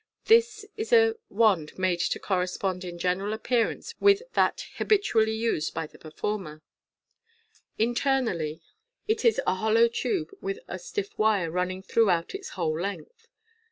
This is a wind, made to correspond in general appear ance with that habitually used by the performer. Internally, it is a Fig. 109. Fig. iio. 2?4 MODERN MAGIC. hollow tube, with a stiff wire running throughout its whole length.